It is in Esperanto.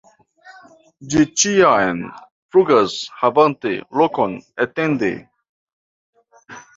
Ĝi ĉiam flugas havante kolon etende.